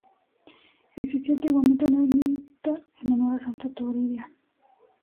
Existía antiguamente una ermita en honor a santo Toribio.